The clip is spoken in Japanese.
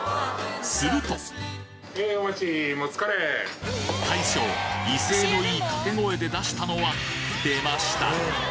すると大将威勢のいい掛け声で出したのは出ました！！